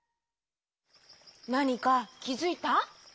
なにかきづいた？